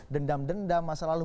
dendam dendam masa lalu